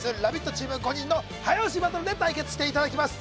チーム５人の早押しバトルで対決していただきます